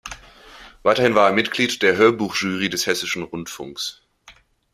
Weiterhin war er Mitglied der Hörbuch-Jury des Hessischen Rundfunks.